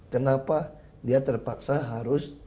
kenapa dia terpaksa harus